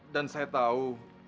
dan saya tahu